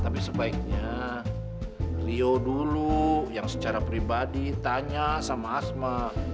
tapi sebaiknya rio dulu yang secara pribadi tanya sama asma